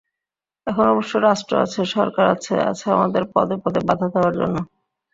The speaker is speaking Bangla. এখন অবশ্য রাষ্ট্র আছে, সরকার আছে, আছে আমাদের পদে পদে বাধা দেওয়ার জন্য।